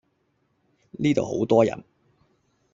呢度好多人